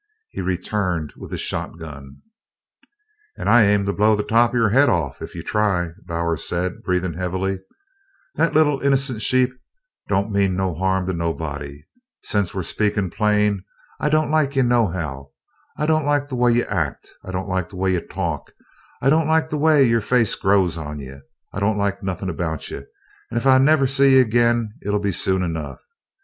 He returned with his shotgun. "And I aim to blow the top of your head off ef you try it," Bowers said, breathing heavily. "That little innercent sheep don't mean no harm to nobody. Sence we're speakin' plain, I don't like you nohow. I don't like the way you act; I don't like the way you talk; I don't like the way your face grows on you; I don't like nothin' about you, and ef I never see you agin it'll be soon enough.